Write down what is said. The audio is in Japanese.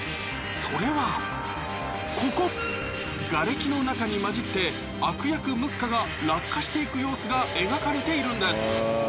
それはここがれきの中に交じって悪役ムスカが落下して行く様子が描かれているんです